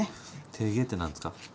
てーげーって何ですか？